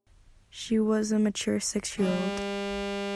She was a mature six-year-old.